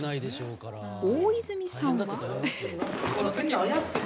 大泉さんは。